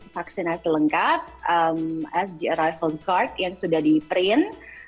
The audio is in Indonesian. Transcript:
vaksinasi lengkap sg arrival card yang sudah di print